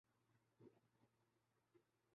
تھا، نہیں ہے۔